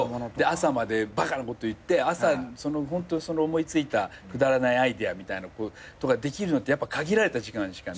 朝までバカなこと言って朝ホントその思いついたくだらないアイデアみたいのとかできるのってやっぱ限られた時間しかなくて。